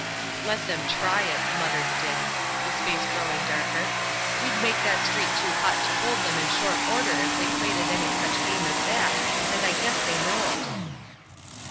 "Let them try it," muttered Dirk, his face growing darker; "we'd make that street too hot to hold them in short order if they played at any such game as that, and I guess they know it."